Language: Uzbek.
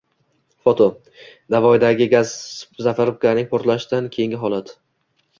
Foto: Navoiydagi gaz-zapravkaning portlashdan keyingi holati